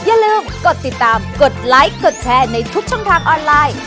อย่าลืมกดติดตามกดไลค์กดแชร์ในทุกช่องทางออนไลน์